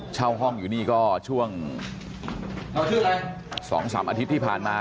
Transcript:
เช่าห้องอยู่นี่ก็ช่วง๒๓อาทิตย์ที่ผ่านมา